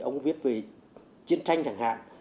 ông viết về chiến tranh chẳng hạn